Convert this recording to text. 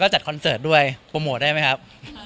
จัดคอนเสิร์ตด้วยโปรโมทได้ไหมครับ